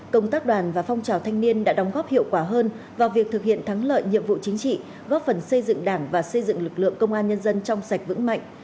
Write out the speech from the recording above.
công tác đoàn và phong trào thanh niên đã đóng góp hiệu quả hơn vào việc thực hiện thắng lợi nhiệm vụ chính trị góp phần xây dựng đảng và xây dựng lực lượng công an nhân dân trong sạch vững mạnh